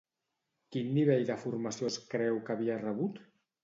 Quin nivell de formació es creu que havia rebut?